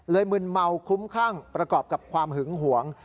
มึนเมาคลุ้มคั่งประกอบกับความหึงหวง